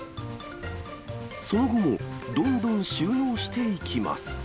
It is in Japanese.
その後もどんどん収納していきます。